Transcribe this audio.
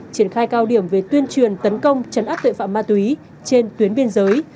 triển khai cao điểm về tuyên truyền tấn công chấn áp tuệ phạm ma túy trên tuyến biên giới